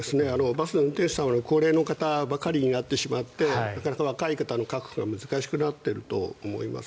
バスの運転手さんは高齢の方ばかりになってしまってなかなか若い方の確保が難しくなっていると思います。